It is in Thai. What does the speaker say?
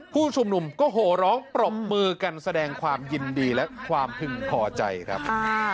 ผู้ชุมนุมก็โหร้องปรบมือกันแสดงความยินดีและความพึงพอใจครับ